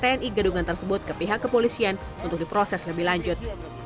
tni gadungan tersebut ke pihak kepolisian untuk diproses lebih lanjut